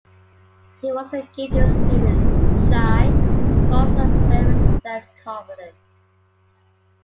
He was a gifted student, shy, but also very self-confident.